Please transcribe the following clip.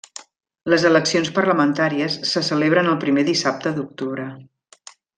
Les eleccions parlamentàries se celebren el primer dissabte d'octubre.